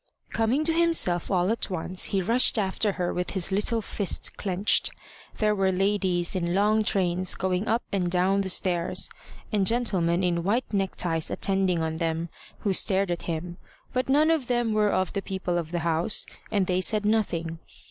Coming to himself all at once, he rushed after her with his little fist clenched. There were ladies in long trains going up and down the stairs, and gentlemen in white neckties attending on them, who stared at him, but none of them were of the people of the house, and they said nothing.